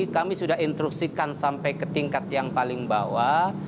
kami sudah instruksikan sampai ke tingkat yang paling bawah